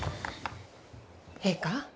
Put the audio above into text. ええか？